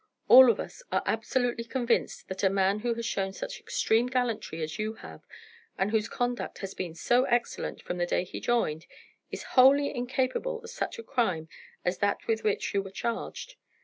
All of us are absolutely convinced that a man who has shown such extreme gallantry as you have, and whose conduct has been so excellent from the day he joined, is wholly incapable of such a crime as that with which you were charged.